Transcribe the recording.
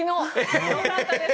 よかったです。